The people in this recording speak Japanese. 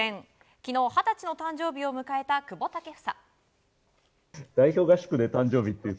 昨日、二十歳の誕生日を迎えた久保建英。